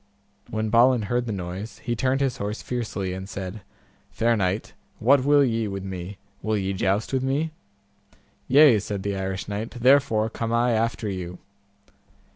When Balin heard the noise, he turned his horse fiercely, and said, Fair knight, what will ye with me, will ye joust with me? Yea, said the Irish knight, therefore come I after you.